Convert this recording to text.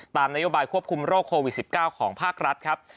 ตามนโยบายควบคุมโรคโควิด๑๙ของภาครัฐครับ